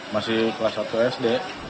masih kelas satu sd